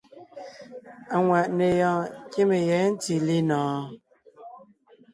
Aŋwàʼne yɔɔn kíme yɛ̌ ntí linɔ̀ɔn?